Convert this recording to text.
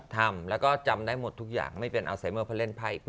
ทำแล้วก็จำได้หมดทุกอย่างไม่เป็นอัลไซเมอร์เพราะเล่นไพ่